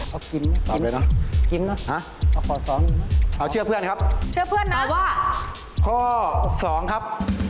เอาอะไรเรียนก็เพียงเงียมเลยเหรอครับ